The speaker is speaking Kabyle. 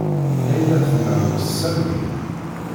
Layla tennermes Sami.